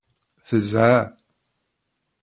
Tezha.